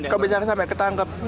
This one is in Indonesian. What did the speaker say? kapan ini sampai ketangkep